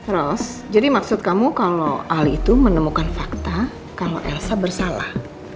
rolls jadi maksud kamu kalau ali itu menemukan fakta kalau elsa bersalah